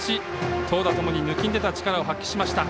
投打ともに抜きん出た力を発揮しました。